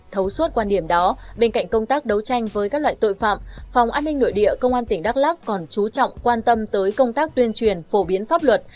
thấu suốt quan điểm đó bên cạnh công tác đấu tranh với các loại tội phạm phòng an ninh nội địa công an tỉnh đắk lắc còn chú trọng quan tâm tới công tác tuyên truyền phổ biến pháp luật